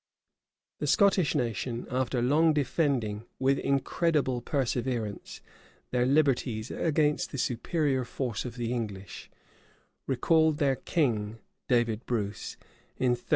The Scottish nation, after long defending, with incredible perseverance, their liberties against the superior force of the English, recalled their king, David Bruce, in 1342.